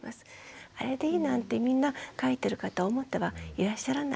あれでいいなんてみんな書いてる方思ってはいらっしゃらない。